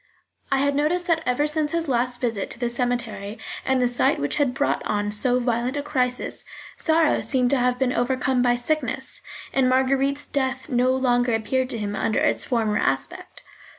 I had noticed that ever since his last visit to the cemetery, and the sight which had brought on so violent a crisis, sorrow seemed to have been overcome by sickness, and Marguerite's death no longer appeared to him under its former aspect.